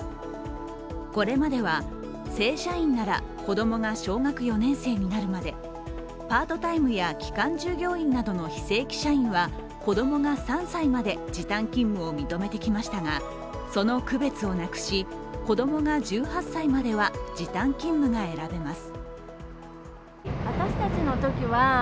これまでは正社員なら子供が小学４年生になるまでパートタイムや期間従業員などの非正規社員は子供が３歳まで時短勤務を認めてきましたが、その区別をなくし、子供が１８歳までは時短勤務が選べます。